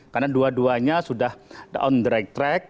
karena dua duanya sudah on the right track